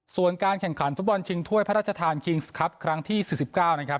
ส่วนการแข่งขันฟุตบอลชิงถ้วยพระราชทานครั้งที่สิบสิบเก้านะครับ